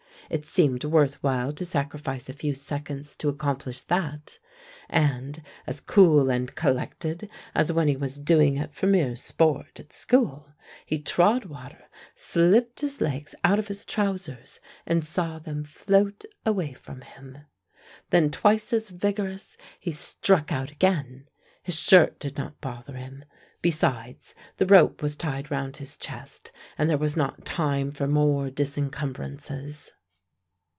It seemed worth while to sacrifice a few seconds to accomplish that, and, as cool and collected as when he was doing it for mere sport at school, he trod water, slipped his legs out of his trousers, and saw them float away from him. Then twice as vigorous, he struck out again. His shirt did not bother him: besides, the rope was tied round his chest, and there was not time for more disencumbrances.